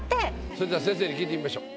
それでは先生に聞いてみましょう。